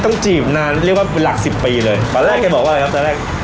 จีบนานเรียกว่าเป็นหลักสิบปีเลยตอนแรกแกบอกว่าอะไรครับตอนแรก